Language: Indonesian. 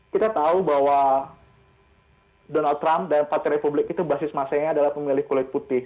kita tahu bahwa donald trump dan partai republik itu basis masanya adalah pemilih kulit putih